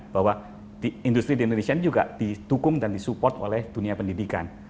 bahwa industri di indonesia ini juga didukung dan disupport oleh dunia pendidikan